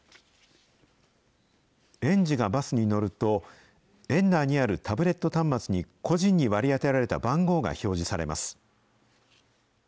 園児がバスに乗ると、園内にあるタブレット端末に、個人に割り当てられた番号が表示されます。